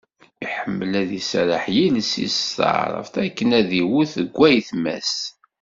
Iḥemmel ad iserreḥ i yiles-is s taɛrabt akken ad d-iwet deg ayetma-s.